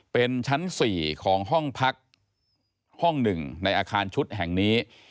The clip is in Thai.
เป็นชั้น๔ของห้องพักห้องหนึ่งในอาคารชุดแห่งนี้